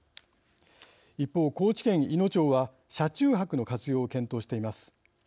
一方、高知県いの町は車中泊の活用を検討しています。